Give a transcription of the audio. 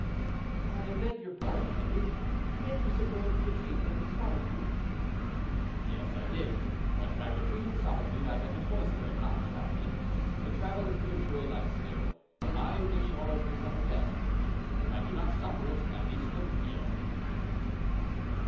"I beg your pardon, Henri; you made use of the words 'retreat and solitude.'" "Yes, I did so; but by retreat and solitude, I meant a cloister, and not traveling; to travel is to enjoy life still. I wish almost to suffer death, and if I do not suffer it, at least to feel it."